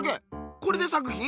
これで作品？